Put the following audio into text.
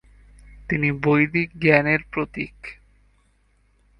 তিনি বৈদিক জ্ঞানের প্রতীক।